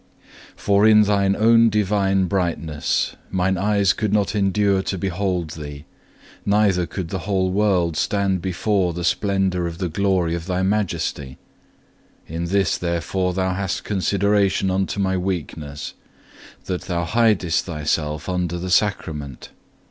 2. For in Thine own Divine brightness, mine eyes could not endure to behold Thee, neither could the whole world stand before the splendour of the glory of Thy Majesty. In this therefore Thou hast consideration unto my weakness, that Thou hidest Thyself under the Sacrament.